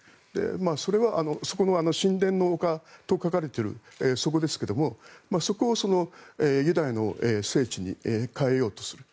それは、そこの神殿の丘と書かれているところですがそこをユダヤの聖地に変えようとする。